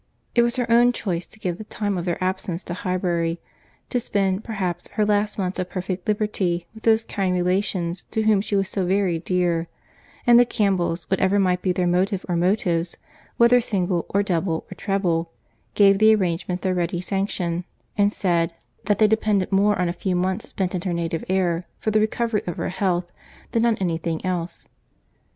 It was her own choice to give the time of their absence to Highbury; to spend, perhaps, her last months of perfect liberty with those kind relations to whom she was so very dear: and the Campbells, whatever might be their motive or motives, whether single, or double, or treble, gave the arrangement their ready sanction, and said, that they depended more on a few months spent in her native air, for the recovery of her health, than on any thing else.